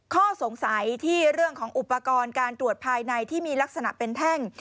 ข้อสงสัยที่เรื่องของอุปกรณ์การตรวจภายในที่มีลักษณะเป็นแท่ง